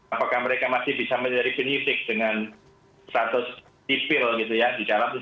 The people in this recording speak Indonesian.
apakah mereka masih bisa menjadi benifik dengan status sipil gitu ya di jalan disitu